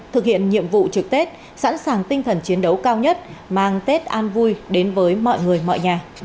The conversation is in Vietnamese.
thực hiện nhiệm vụ trực tết sẵn sàng tinh thần chiến đấu cao nhất mang tết an vui đến với mọi người mọi nhà